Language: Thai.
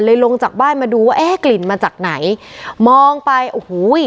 ลงจากบ้านมาดูว่าเอ๊ะกลิ่นมาจากไหนมองไปโอ้โห